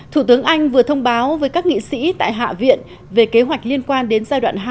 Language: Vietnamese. thủ tướng anh vừa thông báo với các nghị sĩ tại hạ viện về kế hoạch liên quan đến giai đoạn hai